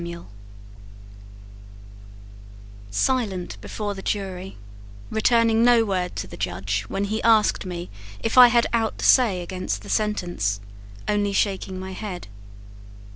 Merritt Silent before the jury Returning no word to the judge when he asked me If I had aught to say against the sentence, Only shaking my head.